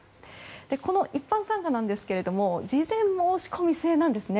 この一般参賀ですが事前申し込み制なんですね。